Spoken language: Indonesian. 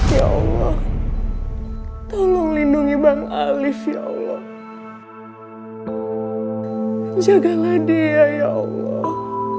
ya allah tolong lindungi bang alif ya allah jagalah dia ya allah